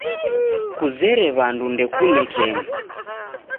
Kuzere w'andu ndekune kenyu.